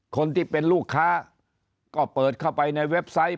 คนที่เป็นลูกค้าก็เปิดเข้าไปในเว็บไซต์